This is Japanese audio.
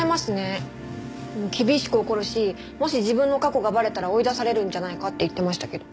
厳しく怒るしもし自分の過去がバレたら追い出されるんじゃないかって言ってましたけど。